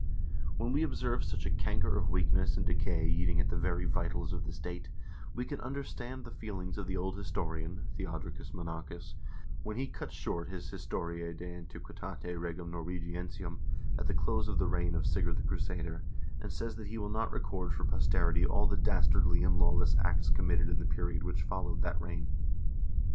When we observe such a canker of weakness and decay eating at the very vitals of the state, we can understand the feelings of the old historian, Theo dricus Monachus, when he cuts short his " Historia de Antiquitate Regum Norwagiensium " at the close of the reign of Sigurd the Cru sader, and says that he will not record for posterity all the dastardly and lawless acts committed in the period which followed that reign.